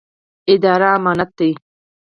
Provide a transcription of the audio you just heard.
اداره امانت دی